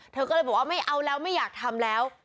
เธอก็เลยบอกว่าไม่เอาแล้วไม่อยากทำแล้ว